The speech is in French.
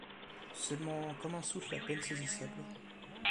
Seulement, comme un souffle a peine saisissable